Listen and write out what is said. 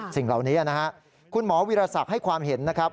สิ่งเหล่านี้นะฮะคุณหมอวิรสักให้ความเห็นนะครับ